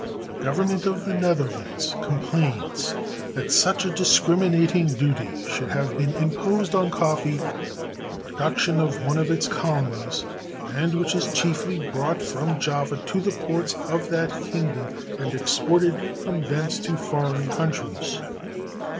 The Government of the Netherlands complains that such a discriminating duty should have been imposed on coffee the production of one of its colonies, and which is chiefly brought from Java to the ports of that Kingdom and exported from thence to foreign countries.